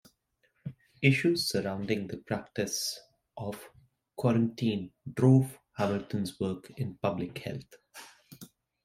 Issues surrounding the practice of quarantine drove Hamilton's work in public health.